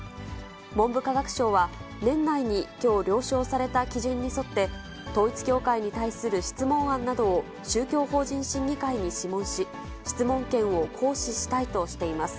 文部科学省は、年内にきょう了承された基準に沿って、統一教会に対する質問案などを、宗教法人審議会に諮問し、質問権を行使したいとしています。